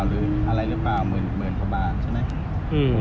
หรืออะไรหรือเปล่าหมื่นกว่าบาทใช่ไหม